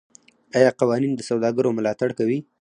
آیا قوانین د سوداګرو ملاتړ کوي؟